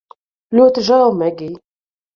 Ļoti žēl, Megij